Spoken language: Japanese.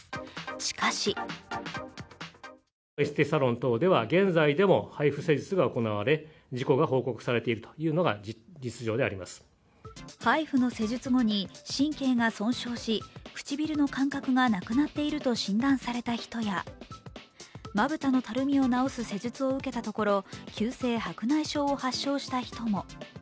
しかしＨＩＦＵの施術後に神経が損傷し、唇の感覚がなくなっていると診断された人やまぶたのたるみを治す施術を受けたところ、急性白内障を発症した人も。